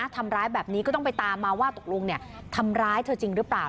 ทำร้ายแบบนี้ก็ต้องไปตามมาว่าตกลงทำร้ายเธอจริงหรือเปล่า